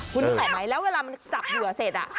คุณแข็งไหมแล้วเวลามันจับเหยื่อเสร็จอะ